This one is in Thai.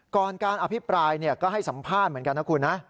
ก่อนการอภิปรายก็ให้สัมภาษณ์เหมือนกันนะคุณนะ